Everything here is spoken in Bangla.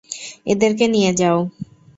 এদেরকে নিয়ে যাও।